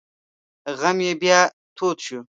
غم یې بیا تود شو.